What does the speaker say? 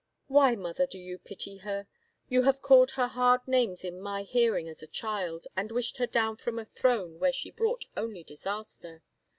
" Why, mother, do you pity her ? You have called her hard names in my hearing as a child, and wished her down from a throne where she brought only disaster."